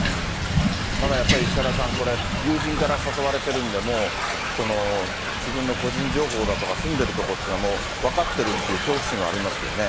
ただ、やっぱり石原さん、これ、友人から誘われてるんで、もう、自分の個人情報だとか、住んでるとこっていうのは分かってるっていう恐怖心はありますよ